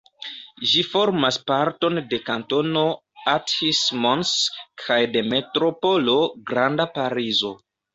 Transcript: Ĝi formas parton de kantono Athis-Mons kaj de Metropolo Granda Parizo.